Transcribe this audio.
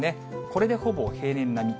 これでほぼ平年並み。